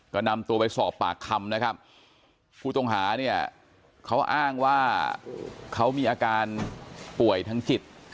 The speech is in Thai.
ก็นำตัวไปสอบปากคำนะครับผู้ต้องหาเนี่ยเขาอ้างว่าเขามีอาการป่วยทางจิต